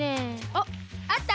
あっあった。